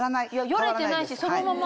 よれてないしそのまま。